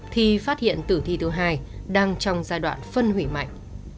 thì phát hiện tử thi thứ hai đang trong giai đoạn phân hủy mạnh